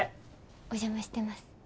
お邪魔してます。